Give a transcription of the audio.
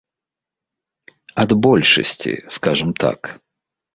Ад большасці, скажам так.